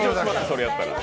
それやったら。